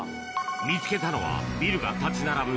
見つけたのはビルが立ち並ぶ